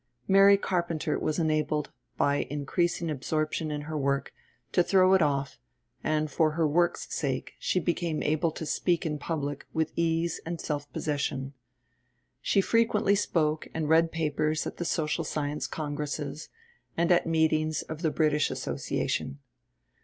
Mary Carpenter was enabled, by increasing absorption in her work, to throw it off, and for her work's sake she became able to speak in public with ease and self possession. She frequently spoke and read papers at the Social Science Congresses, and at meetings of the British Association.